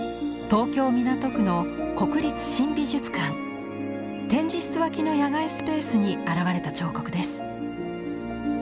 東京・港区の国立新美術館展示室脇の野外スペースに現れた彫刻です。